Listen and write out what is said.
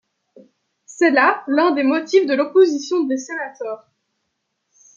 C'est là l'un des motifs de l'opposition des sénateurs.